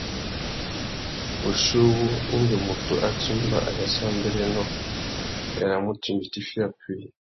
Wuchiuwú, indi mutu a timba ayássámbérénô, a yānamú timba itifiya puï.